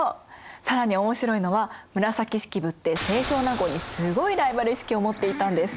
更に面白いのは紫式部って清少納言にすごいライバル意識を持っていたんです。